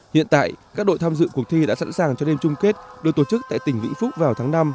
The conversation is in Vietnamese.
hiện tại các đội tham dự cuộc thi đã sẵn sàng cho đêm chung kết được tổ chức tại tỉnh vĩnh phúc vào tháng năm